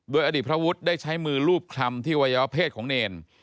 โดยอดีตพระวุฒิได้ใช้มือรูปคลำที่วัยวะเพศของเนร